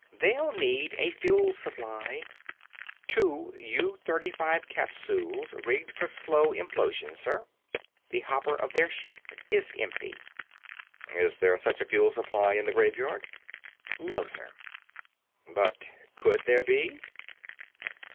They'll need a fuel supply. Two U 235 capsules rigged for slow implosion, sir. The hopper of their ship is empty." "Is there such a fuel supply in the Graveyard?" "No, sir." "But could there be?"